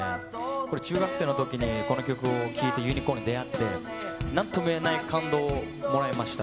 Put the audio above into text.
これ、中学生のときにこの曲を聴いて、ＵＮＩＣＯＲＮに出会って、なんともいえない感動をもらいました。